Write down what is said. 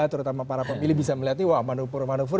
terutama para pemilih bisa melihat ini wah manufur manufur